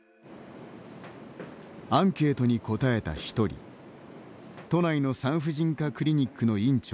アンケートに答えた１人都内の産婦人科クリニックの院長